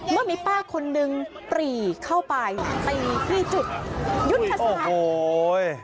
เมื่อมีป้าคนนึงปรีเข้าไปปรีพี่จุกยุดกระสาน